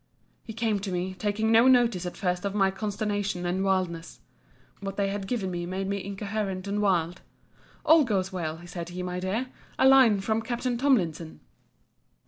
He came to me, taking no notice at first of my consternation and wildness, [what they had given me made me incoherent and wild:] All goes well, said he, my dear!—A line from Capt. Tomlinson!